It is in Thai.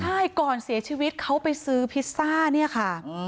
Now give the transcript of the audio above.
ใช่ก่อนเสียชีวิตเขาไปซื้อพิซซ่าเนี่ยค่ะ